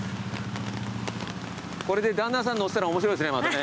これで旦那さん乗ってたら面白いですねまたね。